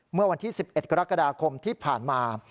เมื่อวันที่๑๑กรกฎาคมที่ผ่านมา